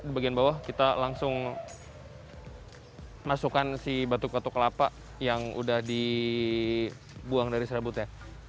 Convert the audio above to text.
di bagian bawah kita langsung masukkan si batuk batuk kelapa yang udah dibuang dari serabutnya